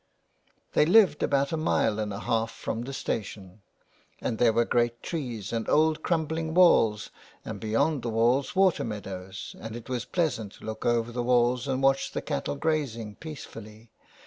They lived about a mile and a half from the station, and there were great trees and old crumbling walls, and, beyond the walls, water meadows, and it was pleasant to look over the walls and watch the cattle grazing peacefully.